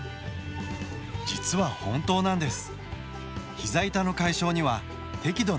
実は本当なんです。